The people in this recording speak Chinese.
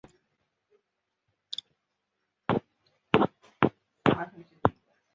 位于马尔代夫最南端甘岛上另一个国际机场叫甘岛国际机场。